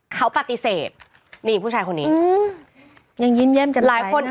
เขาปฏิเสธนี่ผู้ชายคนนี้ยังยิ้มเยี่ยมกันหลายคน